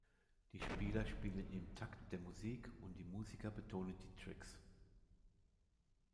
Die Spieler spielen im Takt der Musik und die Musiker betonen die Tricks.